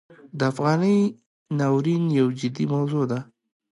د افغانۍ ناورین یو جدي موضوع ده.